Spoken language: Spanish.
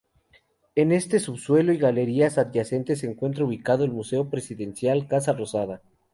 En este subsuelo y galerías adyacentes se encuentra ubicado el Museo Presidencial Casa Rosada.